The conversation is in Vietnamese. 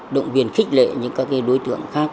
động viên khích lệ những các đối tượng khác